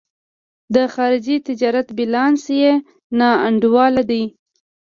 د خارجي تجارت بیلانس یې نا انډوله دی.